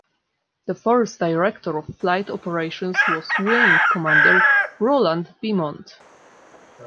The first director of flight operations was Wing Commander Roland Beamont.